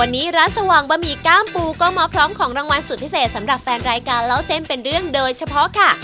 วันนี้ร้านสว่างบะหมี่ก้ามปูก็มาพร้อมของรางวัลสุดพิเศษสำหรับแฟนรายการเล่าเส้นเป็นเรื่องโดยเฉพาะค่ะ